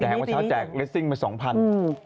แต่เมื่อเช้าแจกเลสซิ่งไป๒๐๐บาท